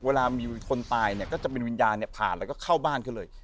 เวลามีคนตายเนี่ยก็จะเป็นวิญญาณผ่านแล้วก็เข้าบ้านเขาเลย